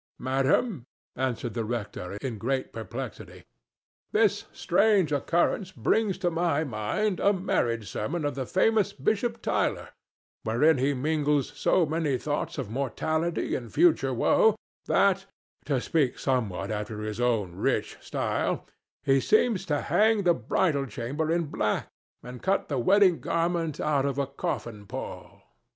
"Madam," answered the rector, in great perplexity, "this strange occurrence brings to my mind a marriage sermon of the famous Bishop Taylor wherein he mingles so many thoughts of mortality and future woe that, to speak somewhat after his own rich style, he seems to hang the bridal chamber in black and cut the wedding garment out of a coffin pall.